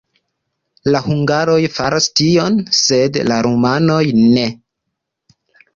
La hungaroj faris tion, sed la rumanoj ne.